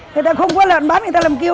người ta không có lợn bán người ta làm kiêu